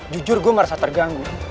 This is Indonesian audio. jujur gue merasa terganggu